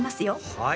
はい。